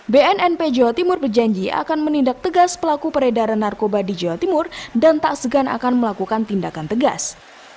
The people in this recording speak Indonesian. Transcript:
bnnp jawa timur berjanji akan menindak tegas pelaku peredaran narkoba di jawa timur dan tak segan akan melakukan tindakan tegas